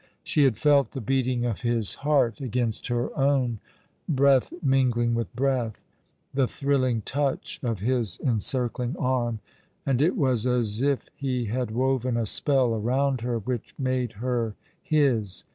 She had felt the beating of his heart against her own, breath mingling with breath, the thrilling touch of his en circling arm ; and it was as if he had woven a spell around her which made her his.